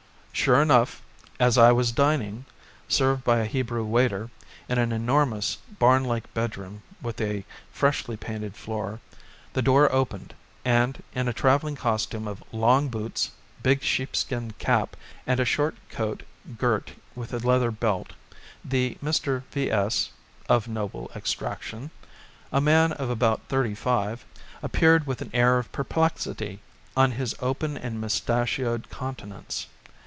Sure enough, as I was dining, served by a Hebrew waiter, in an enormous barn like bedroom with a freshly painted floor, the door opened and, in a travelling costume of long boots, big sheep skin cap and a short coat girt with a leather belt, the Mr. V.S. (of noble extraction), a man of about thirty five, appeared with an air of perplexity on his open and moustachioed countenance.